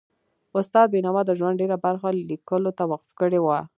استاد بینوا د ژوند ډېره برخه لیکلو ته وقف کړي وه.